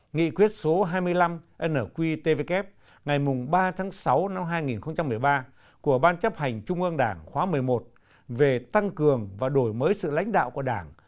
nghị quyết số hai mươi năm nqtvk ngày ba tháng sáu năm hai nghìn một mươi ba của ban chấp hành trung ương đảng khóa một mươi một về tăng cường và đổi mới sự lãnh đạo của đảng